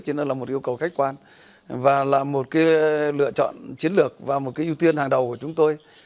chứ nó là một yêu cầu khách quan và là một cái lựa chọn chiến lược và một cái ưu tiên hàng đầu của chúng tôi